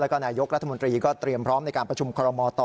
แล้วก็นายกรัฐมนตรีก็เตรียมพร้อมในการประชุมคอรมอต่อ